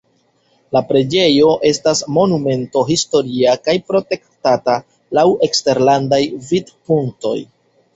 La preĝejo estas Monumento historia kaj protektata laŭ eksterlandaj vidpunktoj.